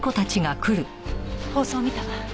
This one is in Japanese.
放送見たわ。